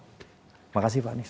terima kasih pak anies